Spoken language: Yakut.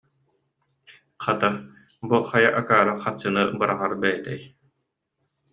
«Хата, бу хайа акаары харчыны быраҕар бэйэтэй